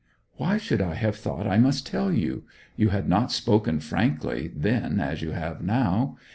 'Why should I have thought I must tell you? You had not spoken "frankly" then as you have now.